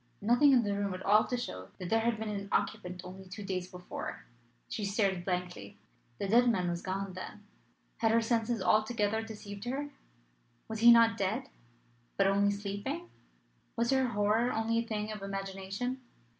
Nothing in the room at all to show that there had been an occupant only two days before. She stared blankly. The dead man was gone, then. Had her senses altogether deceived her? Was he not dead, but only sleeping? Was her horror only a thing of imagination?